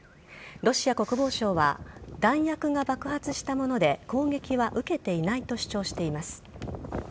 ロシア国防省は弾薬が爆発したもので攻撃は受けていないと主張しています。